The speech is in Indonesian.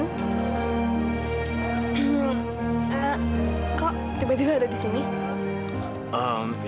kok tiba tiba ada di sini